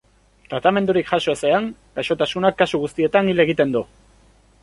Tratamendurik jaso ezean, gaixotasunak kasu guztietan hil egiten du.